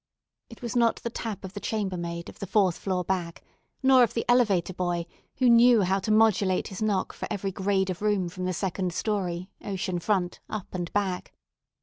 It was not the tap of the chambermaid of the fourth floor back, nor of the elevator boy, who knew how to modulate his knock for every grade of room from the second story, ocean front, up and back.